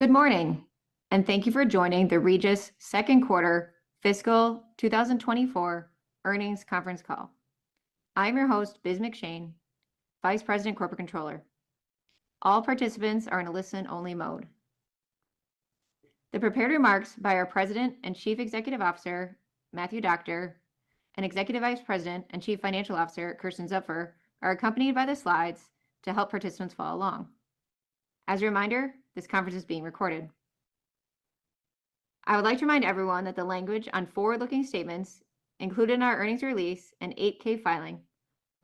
Good morning, and thank you for joining the Regis Second Quarter Fiscal 2024 Earnings Conference Call. I'm your host, Biz McShane, Vice President, Corporate Controller. All participants are in a listen-only mode. The prepared remarks by our President and Chief Executive Officer, Matthew Doctor, and Executive Vice President and Chief Financial Officer, Kersten Zupfer, are accompanied by the slides to help participants follow along. As a reminder, this conference is being recorded. I would like to remind everyone that the language on forward-looking statements included in our earnings release and 8-K filing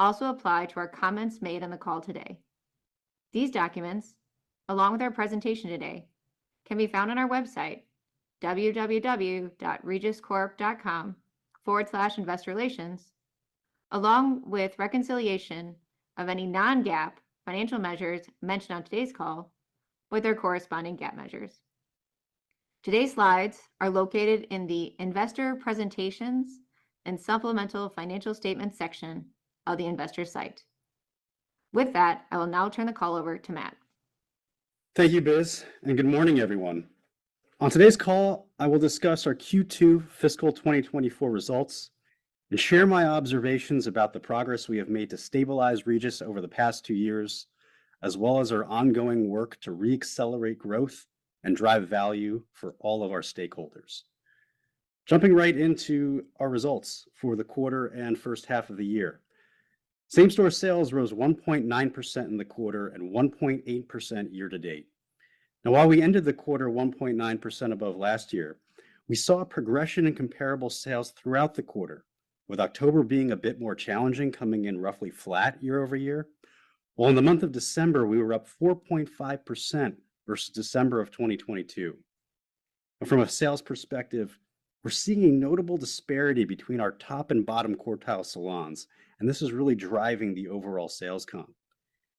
also apply to our comments made on the call today. These documents, along with our presentation today, can be found on our website, www.regiscorp.com/investorrelations, along with reconciliation of any non-GAAP financial measures mentioned on today's call with their corresponding GAAP measures. Today's slides are located in the Investor Presentations and Supplemental Financial Statements section of the investor site. With that, I will now turn the call over to Matt. Thank you, Biz, and good morning, everyone. On today's call, I will discuss our Q2 fiscal 2024 results and share my observations about the progress we have made to stabilize Regis over the past two years, as well as our ongoing work to reaccelerate growth and drive value for all of our stakeholders. Jumping right into our results for the quarter and first half of the year. Same-store sales rose 1.9% in the quarter and 1.8% year to date. Now, while we ended the quarter 1.9% above last year, we saw a progression in comparable sales throughout the quarter, with October being a bit more challenging, coming in roughly flat year over year, while in the month of December, we were up 4.5% versus December of 2022. From a sales perspective, we're seeing notable disparity between our top and bottom quartile salons, and this is really driving the overall sales comp.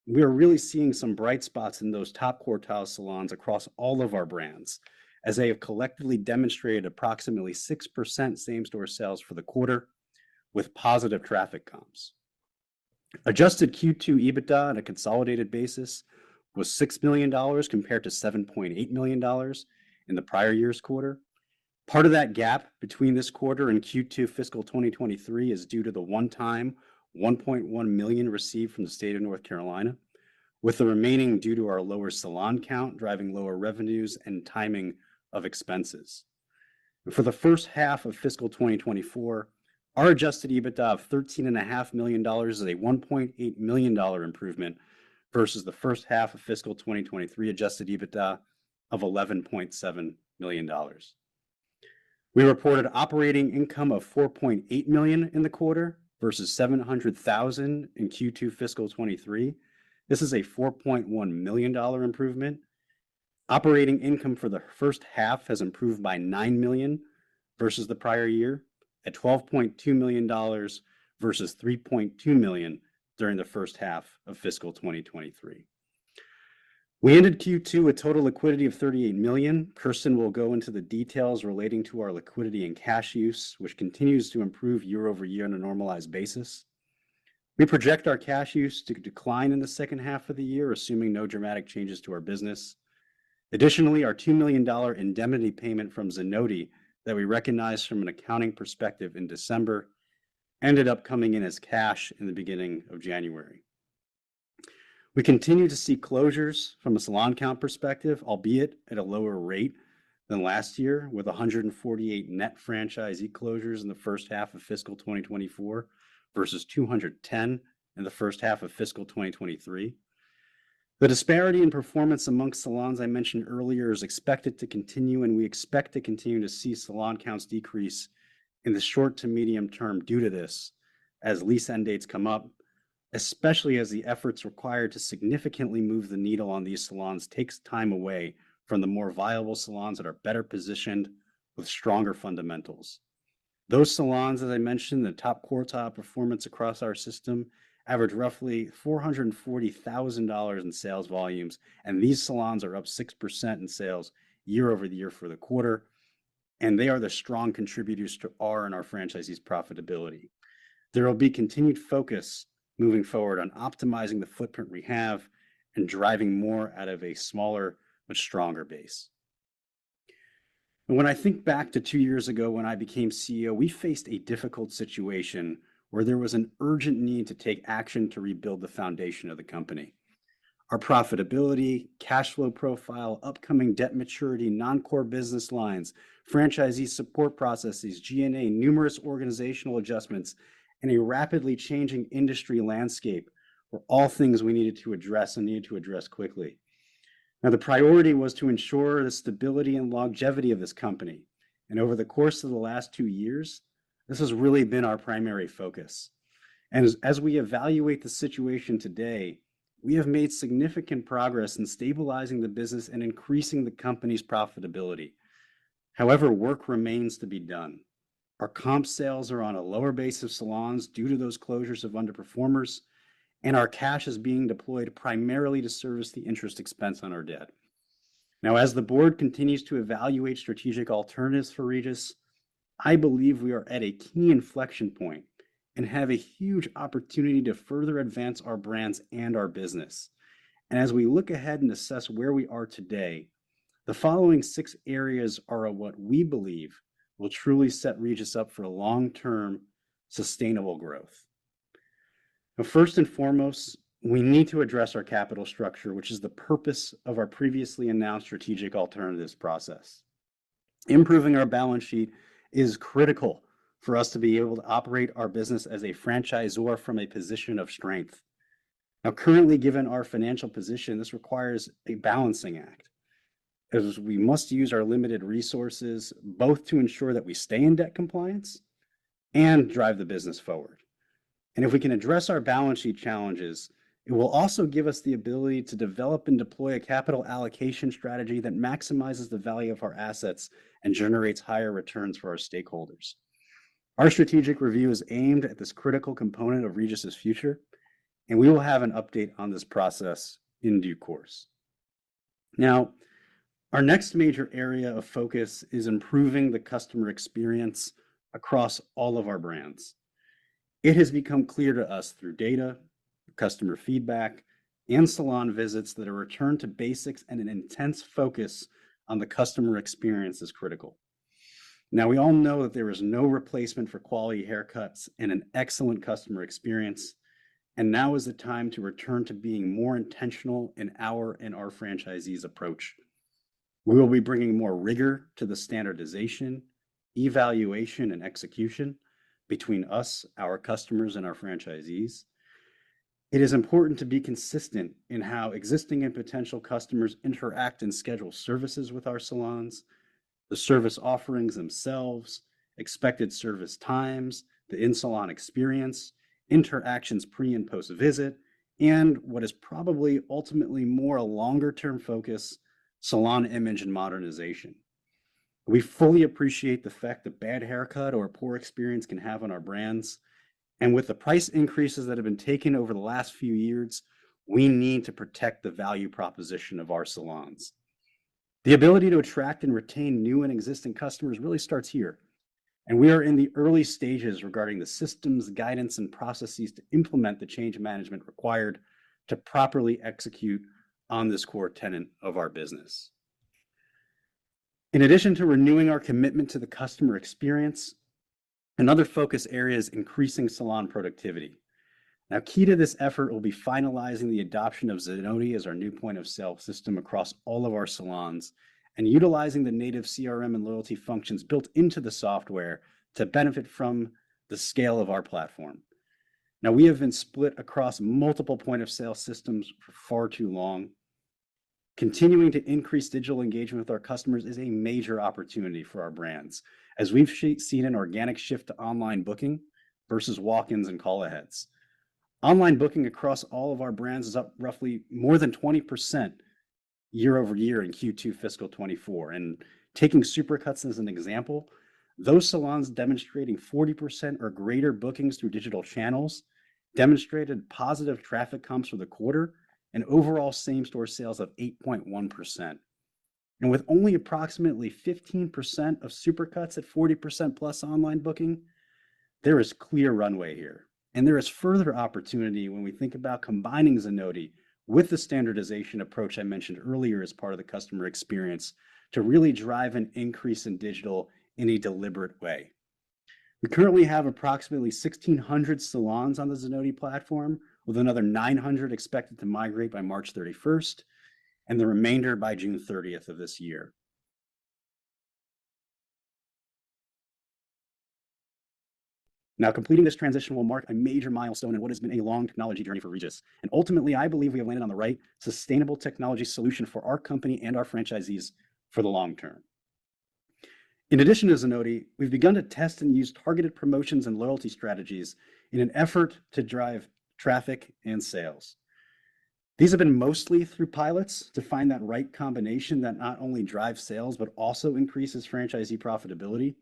We are really seeing some bright spots in those top quartile salons across all of our brands, as they have collectively demonstrated approximately 6% same-store sales for the quarter with positive traffic comps. Adjusted Q2 EBITDA on a consolidated basis was $6 million, compared to $7.8 million in the prior year's quarter. Part of that gap between this quarter and Q2 fiscal 2023 is due to the one-time $1.1 million received from the State of North Carolina, with the remaining due to our lower salon count, driving lower revenues and timing of expenses. For the first half of fiscal 2024, our Adjusted EBITDA of $13.5 million is a $1.8 million improvement versus the first half of fiscal 2023 Adjusted EBITDA of $11.7 million. We reported operating income of $4.8 million in the quarter versus $700,000 in Q2 fiscal 2023. This is a $4.1 million improvement. Operating income for the first half has improved by $9 million versus the prior year, at $12.2 million versus $3.2 million during the first half of fiscal 2023. We ended Q2 with total liquidity of $38 million. Kersten will go into the details relating to our liquidity and cash use, which continues to improve year-over-year on a normalized basis. We project our cash use to decline in the second half of the year, assuming no dramatic changes to our business. Additionally, our $2 million indemnity payment from Zenoti that we recognized from an accounting perspective in December, ended up coming in as cash in the beginning of January. We continue to see closures from a salon count perspective, albeit at a lower rate than last year, with 148 net franchisee closures in the first half of fiscal 2024 versus 210 in the first half of fiscal 2023. The disparity in performance among salons I mentioned earlier is expected to continue, and we expect to continue to see salon counts decrease in the short to medium term due to this as lease end dates come up, especially as the efforts required to significantly move the needle on these salons takes time away from the more viable salons that are better positioned with stronger fundamentals. Those salons, as I mentioned, the top quartile performance across our system average roughly 440,000 in sales volumes, and these salons are up 6% in sales year-over-year for the quarter, and they are the strong contributors to our and our franchisees' profitability. There will be continued focus moving forward on optimizing the footprint we have and driving more out of a smaller but stronger base. And when I think back to two years ago when I became CEO, we faced a difficult situation where there was an urgent need to take action to rebuild the foundation of the company. Our profitability, cash flow profile, upcoming debt maturity, non-core business lines, franchisee support processes, G&A, numerous organizational adjustments, and a rapidly changing industry landscape were all things we needed to address and needed to address quickly. Now, the priority was to ensure the stability and longevity of this company, and over the course of the last two years, this has really been our primary focus. And as we evaluate the situation today, we have made significant progress in stabilizing the business and increasing the company's profitability. However, work remains to be done. Our comp sales are on a lower base of salons due to those closures of underperformers, and our cash is being deployed primarily to service the interest expense on our debt. Now, as the board continues to evaluate strategic alternatives for Regis. I believe we are at a key inflection point and have a huge opportunity to further advance our brands and our business. As we look ahead and assess where we are today, the following six areas are what we believe will truly set Regis up for long-term, sustainable growth. Now, first and foremost, we need to address our capital structure, which is the purpose of our previously announced strategic alternatives process. Improving our balance sheet is critical for us to be able to operate our business as a franchisor from a position of strength. Now, currently, given our financial position, this requires a balancing act, as we must use our limited resources both to ensure that we stay in debt compliance and drive the business forward. If we can address our balance sheet challenges, it will also give us the ability to develop and deploy a capital allocation strategy that maximizes the value of our assets and generates higher returns for our stakeholders. Our strategic review is aimed at this critical component of Regis' future, and we will have an update on this process in due course. Now, our next major area of focus is improving the customer experience across all of our brands. It has become clear to us through data, customer feedback, and salon visits, that a return to basics and an intense focus on the customer experience is critical. Now, we all know that there is no replacement for quality haircuts and an excellent customer experience, and now is the time to return to being more intentional in our and our franchisees' approach. We will be bringing more rigor to the standardization, evaluation, and execution between us, our customers, and our franchisees. It is important to be consistent in how existing and potential customers interact and schedule services with our salons, the service offerings themselves, expected service times, the in-salon experience, interactions pre- and post-visit, and what is probably ultimately more a longer term focus, salon image and modernization. We fully appreciate the effect a bad haircut or a poor experience can have on our brands, and with the price increases that have been taken over the last few years, we need to protect the value proposition of our salons. The ability to attract and retain new and existing customers really starts here, and we are in the early stages regarding the systems, guidance, and processes to implement the change management required to properly execute on this core tenet of our business. In addition to renewing our commitment to the customer experience, another focus area is increasing salon productivity. Now, key to this effort will be finalizing the adoption of Zenoti as our new point-of-sale system across all of our salons, and utilizing the native CRM and loyalty functions built into the software to benefit from the scale of our platform. Now, we have been split across multiple point-of-sale systems for far too long. Continuing to increase digital engagement with our customers is a major opportunity for our brands, as we've seen an organic shift to online booking versus walk-ins and call aheads. Online booking across all of our brands is up roughly more than 20% year-over-year in Q2 fiscal 2024. Taking Supercuts as an example, those salons demonstrating 40% or greater bookings through digital channels demonstrated positive traffic comps for the quarter and overall same-store sales of 8.1%. With only approximately 15% of Supercuts at 40% plus online booking, there is clear runway here, and there is further opportunity when we think about combining Zenoti with the standardization approach I mentioned earlier as part of the customer experience, to really drive an increase in digital in a deliberate way. We currently have approximately 1,600 salons on the Zenoti platform, with another 900 expected to migrate by March 31st, and the remainder by June 30th of this year. Now, completing this transition will mark a major milestone in what has been a long technology journey for Regis, and ultimately, I believe we have landed on the right sustainable technology solution for our company and our franchisees for the long term. In addition to Zenoti, we've begun to test and use targeted promotions and loyalty strategies in an effort to drive traffic and sales. These have been mostly through pilots to find that right combination that not only drives sales, but also increases franchisee profitability.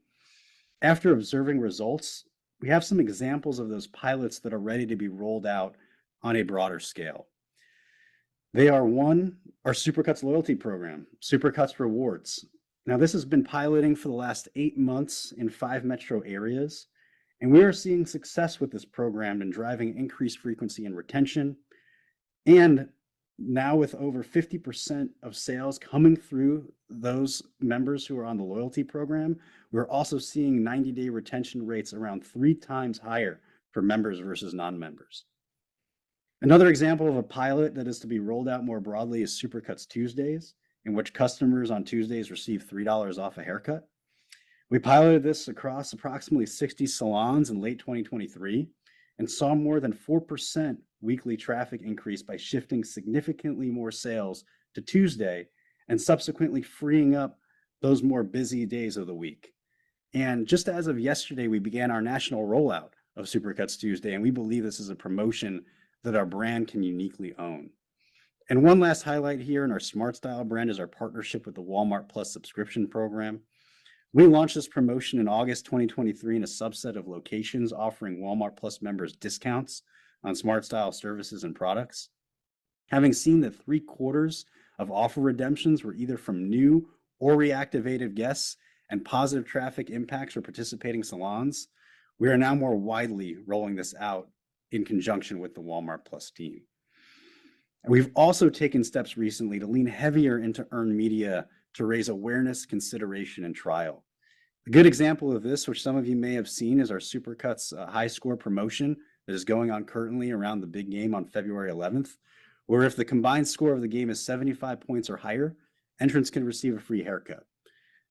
After observing results, we have some examples of those pilots that are ready to be rolled out on a broader scale. They are, one, our Supercuts loyalty program, Supercuts Rewards. Now, this has been piloting for the last eight months in five metro areas, and we are seeing success with this program in driving increased frequency and retention. Now, with over 50% of sales coming through those members who are on the loyalty program, we're also seeing 90-day retention rates around 3x higher for members versus non-members. Another example of a pilot that is to be rolled out more broadly is Supercuts Tuesday, in which customers on Tuesdays receive $3 off a haircut. We piloted this across approximately 60 salons in late 2023 and saw more than 4% weekly traffic increase by shifting significantly more sales to Tuesday and subsequently freeing up those more busy days of the week. Just as of yesterday, we began our national rollout of Supercuts Tuesday, and we believe this is a promotion that our brand can uniquely own. One last highlight here in our SmartStyle brand is our partnership with the Walmart+ subscription program. We launched this promotion in August 2023 in a subset of locations offering Walmart+ members discounts on SmartStyle services and products. Having seen that three-quarters of offer redemptions were either from new or reactivated guests and positive traffic impacts for participating salons, we are now more widely rolling this out in conjunction with the Walmart+ team. We've also taken steps recently to lean heavier into earned media to raise awareness, consideration, and trial. A good example of this, which some of you may have seen, is our Supercuts High Score promotion that is going on currently around the big game on February 11th, where if the combined score of the game is 75 points or higher, entrants can receive a free haircut.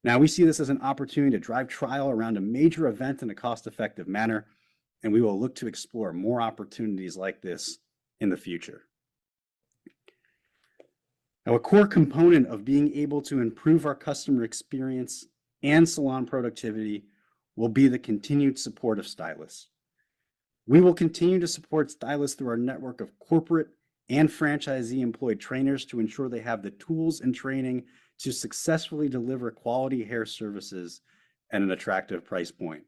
Now, we see this as an opportunity to drive trial around a major event in a cost-effective manner, and we will look to explore more opportunities like this in the future. Now, a core component of being able to improve our customer experience and salon productivity will be the continued support of stylists. We will continue to support stylists through our network of corporate and franchisee-employed trainers to ensure they have the tools and training to successfully deliver quality hair services at an attractive price point.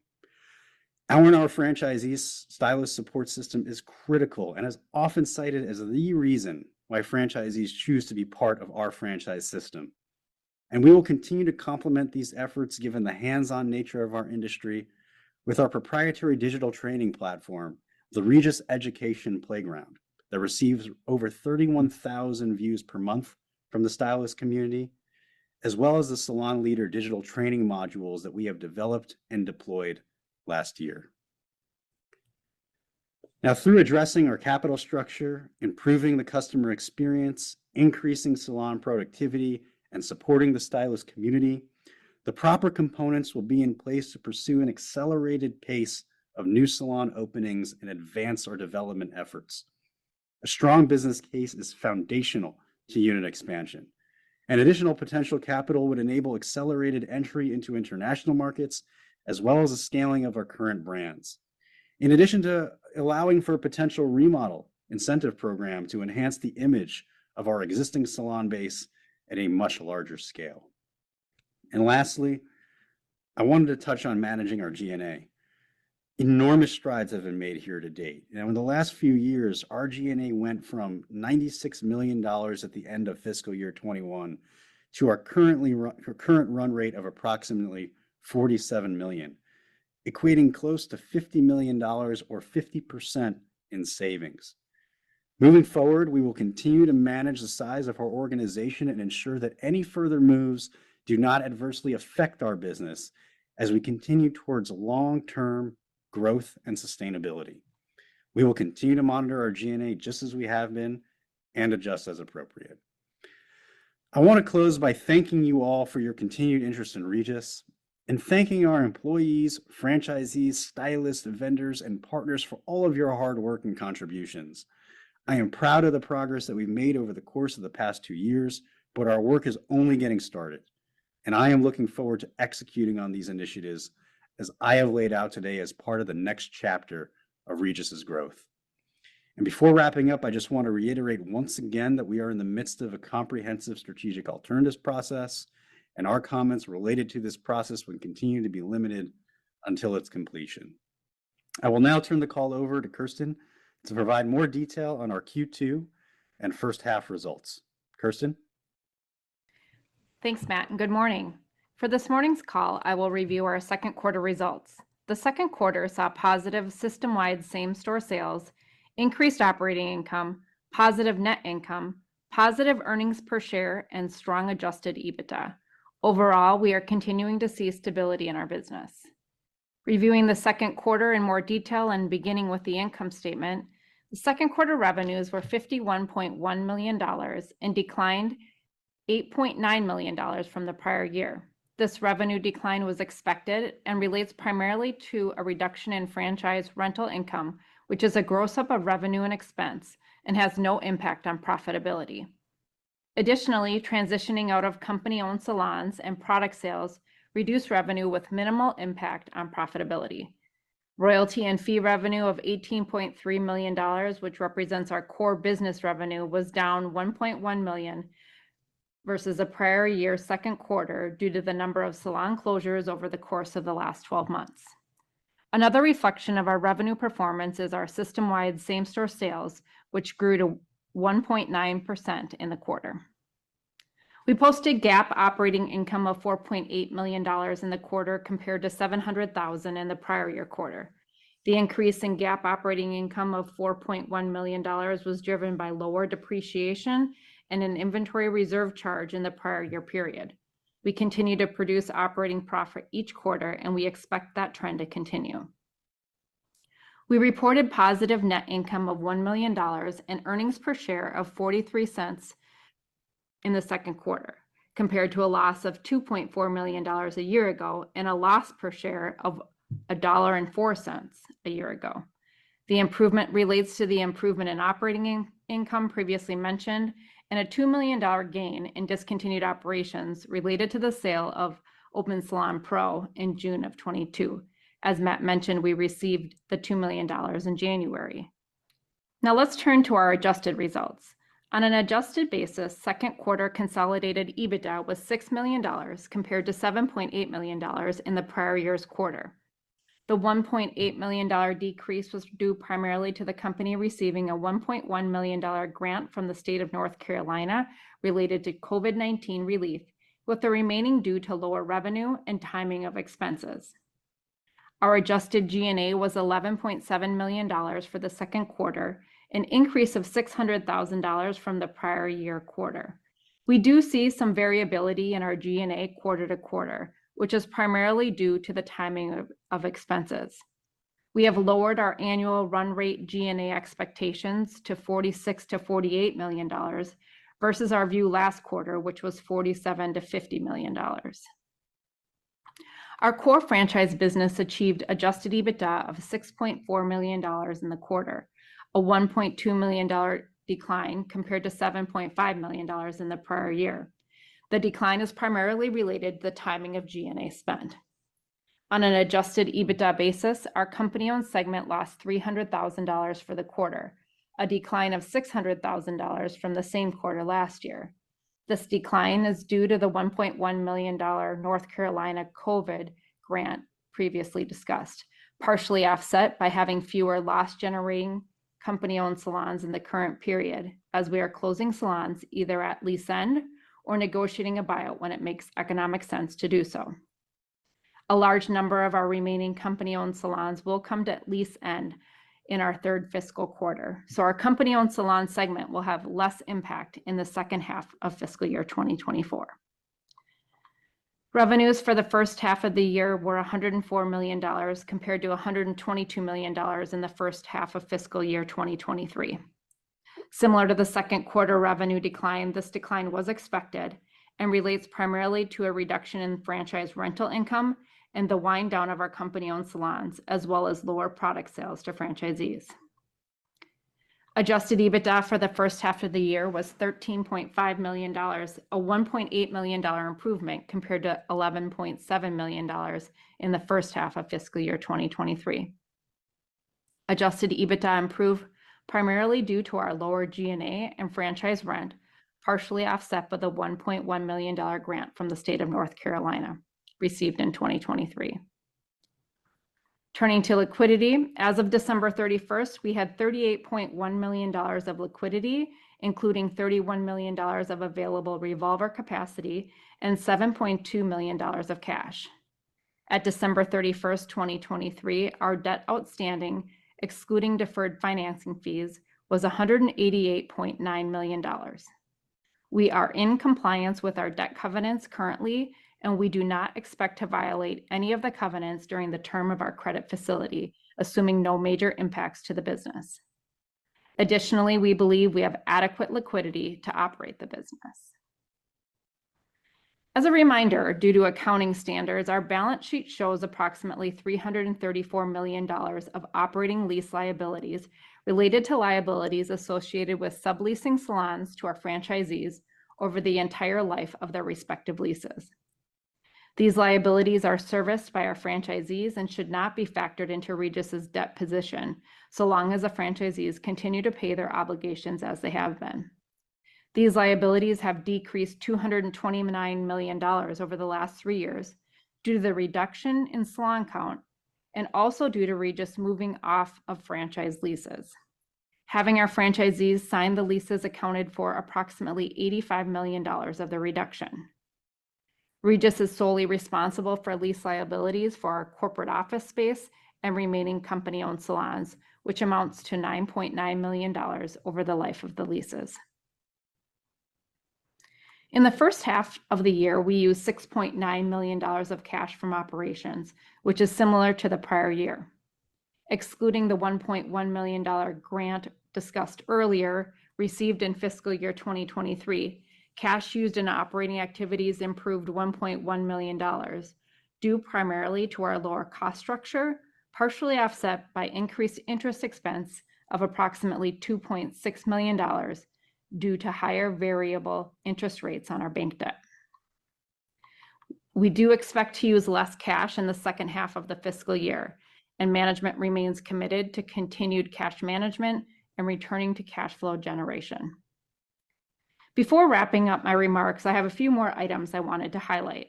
Our and our franchisees' stylist support system is critical and is often cited as the reason why franchisees choose to be part of our franchise system. And we will continue to complement these efforts, given the hands-on nature of our industry with our proprietary digital training platform, the Regis Education Playground, that receives over 31,000 views per month from the stylist community, as well as the Salon Leader digital training modules that we have developed and deployed last year. Now, through addressing our capital structure, improving the customer experience, increasing salon productivity, and supporting the stylist community, the proper components will be in place to pursue an accelerated pace of new salon openings and advance our development efforts. A strong business case is foundational to unit expansion, and additional potential capital would enable accelerated entry into international markets, as well as the scaling of our current brands, in addition to allowing for a potential remodel incentive program to enhance the image of our existing salon base at a much larger scale. And lastly, I wanted to touch on managing our G&A. Enormous strides have been made here to date. Now, in the last few years, our G&A went from $96 million at the end of fiscal year 2021 to our current run rate of approximately $47 million, equating close to $50 million or 50% in savings. Moving forward, we will continue to manage the size of our organization and ensure that any further moves do not adversely affect our business, as we continue towards long-term growth and sustainability. We will continue to monitor our G&A, just as we have been, and adjust as appropriate. I want to close by thanking you all for your continued interest in Regis and thanking our employees, franchisees, stylists, vendors, and partners for all of your hard work and contributions. I am proud of the progress that we've made over the course of the past two years, but our work is only getting started, and I am looking forward to executing on these initiatives, as I have laid out today as part of the next chapter of Regis' growth. And before wrapping up, I just want to reiterate once again that we are in the midst of a comprehensive strategic alternatives process, and our comments related to this process will continue to be limited until its completion. I will now turn the call over to Kersten to provide more detail on our Q2 and first half results. Kersten? Thanks, Matt, and good morning. For this morning's call, I will review our second quarter results. The second quarter saw positive system-wide same-store sales, increased operating income, positive net income, positive earnings per share, and strong Adjusted EBITDA. Overall, we are continuing to see stability in our business. Reviewing the second quarter in more detail and beginning with the income statement, the second quarter revenues were $51.1 million and declined $8.9 million from the prior year. This revenue decline was expected and relates primarily to a reduction in franchise rental income, which is a gross-up of revenue and expense and has no impact on profitability. Additionally, transitioning out of company-owned salons and product sales reduced revenue with minimal impact on profitability. Royalty and fee revenue of $18.3 million, which represents our core business revenue, was down $1.1 million versus the prior year's second quarter due to the number of salon closures over the course of the last 12 months. Another reflection of our revenue performance is our system-wide Same-store sales, which grew to 1.9% in the quarter. We posted GAAP operating income of $4.8 million in the quarter, compared to $700,000 in the prior year quarter. The increase in GAAP operating income of $4.1 million was driven by lower depreciation and an inventory reserve charge in the prior year period. We continue to produce operating profit each quarter, and we expect that trend to continue. We reported positive net income of $1 million and earnings per share of $0.43 in the second quarter, compared to a loss of $2.4 million a year ago and a loss per share of $1.04 a year ago. The improvement relates to the improvement in operating income previously mentioned, and a $2 million gain in discontinued operations related to the sale of Opensalon Pro in June of 2022. As Matt mentioned, we received the $2 million in January. Now, let's turn to our adjusted results. On an adjusted basis, second quarter consolidated EBITDA was $6 million, compared to $7.8 million in the prior year's quarter. The $1.8 million decrease was due primarily to the company receiving a $1.1 million grant from the state of North Carolina related to COVID-19 relief, with the remaining due to lower revenue and timing of expenses. Our Adjusted G&A was $11.7 million for the second quarter, an increase of $600,000 from the prior year quarter. We do see some variability in our G&A quarter-to-quarter, which is primarily due to the timing of expenses. We have lowered our annual run rate G&A expectations to $46 million-$48 million, versus our view last quarter, which was $47 million-$50 million. Our core franchise business achieved Adjusted EBITDA of $6.4 million in the quarter, a $1.2 million decline, compared to $7.5 million in the prior year. The decline is primarily related to the timing of G&A spend. On an Adjusted EBITDA basis, our company-owned segment lost $300,000 for the quarter, a decline of $600,000 from the same quarter last year. This decline is due to the $1.1 million North Carolina COVID grant previously discussed, partially offset by having fewer loss-generating company-owned salons in the current period, as we are closing salons, either at lease end or negotiating a buyout when it makes economic sense to do so. A large number of our remaining company-owned salons will come to lease end in our third fiscal quarter, so our company-owned salon segment will have less impact in the second half of fiscal year 2024. Revenues for the first half of the year were $104 million, compared to $122 million in the first half of fiscal year 2023. Similar to the second quarter revenue decline, this decline was expected and relates primarily to a reduction in franchise rental income and the wind down of our company-owned salons, as well as lower product sales to franchisees. Adjusted EBITDA for the first half of the year was $13.5 million, a $1.8 million improvement, compared to $11.7 million in the first half of fiscal year 2023. Adjusted EBITDA improved primarily due to our lower G&A and franchise rent, partially offset by the $1.1 million grant from the state of North Carolina, received in 2023. Turning to liquidity, as of December 31st, we had $38.1 million of liquidity, including $31 million of available revolver capacity and $7.2 million of cash. At December 31st, 2023, our debt outstanding, excluding deferred financing fees, was $188.9 million. We are in compliance with our debt covenants currently, and we do not expect to violate any of the covenants during the term of our credit facility, assuming no major impacts to the business. Additionally, we believe we have adequate liquidity to operate the business. As a reminder, due to accounting standards, our balance sheet shows approximately $334 million of operating lease liabilities related to liabilities associated with subleasing salons to our franchisees over the entire life of their respective leases. These liabilities are serviced by our franchisees and should not be factored into Regis's debt position, so long as the franchisees continue to pay their obligations as they have been. These liabilities have decreased $229 million over the last three years due to the reduction in salon count and also due to Regis moving off of franchise leases. Having our franchisees sign the leases accounted for approximately $85 million of the reduction. Regis is solely responsible for lease liabilities for our corporate office space and remaining company-owned salons, which amounts to $9.9 million over the life of the leases. In the first half of the year, we used $6.9 million of cash from operations, which is similar to the prior year. Excluding the $1.1 million grant discussed earlier, received in fiscal year 2023, cash used in operating activities improved $1.1 million, due primarily to our lower cost structure, partially offset by increased interest expense of approximately $2.6 million, due to higher variable interest rates on our bank debt. We do expect to use less cash in the second half of the fiscal year, and management remains committed to continued cash management and returning to cash flow generation. Before wrapping up my remarks, I have a few more items I wanted to highlight.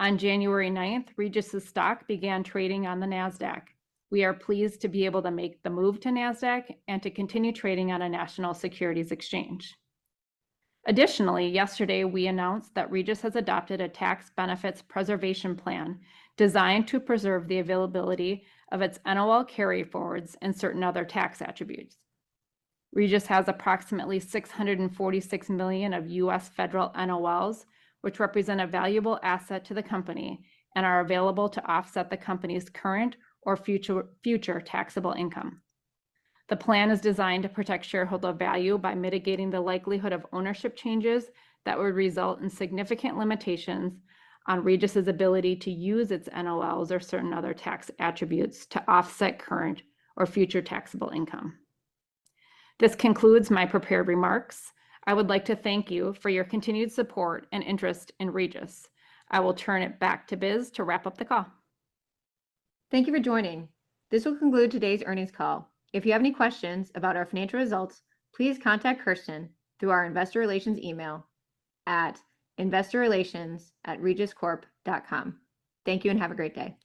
On January 9th, Regis' stock began trading on the Nasdaq. We are pleased to be able to make the move to Nasdaq and to continue trading on a national securities exchange. Additionally, yesterday, we announced that Regis has adopted a tax benefits preservation plan designed to preserve the availability of its NOL carryforwards and certain other tax attributes. Regis has approximately $646 million of U.S. federal NOLs, which represent a valuable asset to the company and are available to offset the company's current or future taxable income. The plan is designed to protect shareholder value by mitigating the likelihood of ownership changes that would result in significant limitations on Regis's ability to use its NOLs or certain other tax attributes to offset current or future taxable income. This concludes my prepared remarks. I would like to thank you for your continued support and interest in Regis. I will turn it back to Biz to wrap up the call. Thank you for joining. This will conclude today's earnings call. If you have any questions about our financial results, please contact Kersten through our investor relations email at investorrelations@regiscorp.com. Thank you, and have a great day.